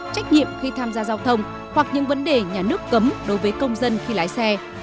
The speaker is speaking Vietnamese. trách nhiệm khi tham gia giao thông hoặc những vấn đề nhà nước cấm đối với công dân khi lái xe